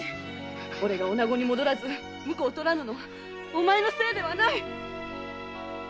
俺が女に戻らず婿をとらぬのはお前のせいではない。